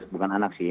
bukan anak sih